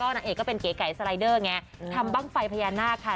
นางเอกก็เป็นเก๋ไก่สไลเดอร์ไงทำบ้างไฟพญานาคค่ะ